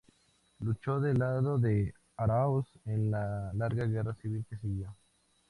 Luchó del lado de Aráoz en la larga guerra civil que siguió.